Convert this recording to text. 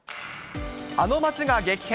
あの街が激変。